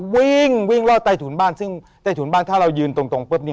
วิ่งวิ่งรอดใต้ถุนบ้านซึ่งถ้าเรายืนตรงปุ๊บหนี้